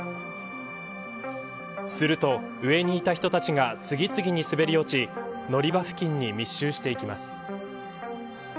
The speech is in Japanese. すると、上にいた人たちが次々に滑り落ち乗り場付近に密集していきます。